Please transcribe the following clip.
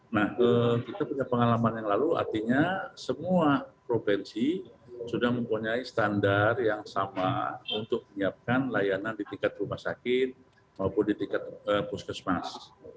nah kita punya pengalaman yang lalu artinya semua provinsi sudah mempunyai standar yang sama untuk menyiapkan layanan di tingkat rumah sakit maupun di tingkat puskesmas